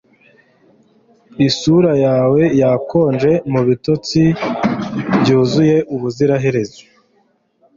isura yawe yakonje mubitotsi byuzuye ubuziraherezo